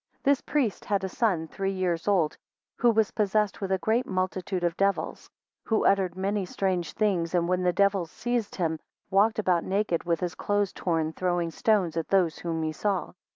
8 This priest had a son three years old, who was possessed with a great multitude of devils, who uttered many strange things and when the devils seized him, walked about naked with his clothes torn, throwing stones at those whom he saw.